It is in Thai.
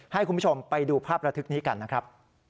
ให้คุณผู้ชมไปดูภาพระทึกนี้กันนะครับ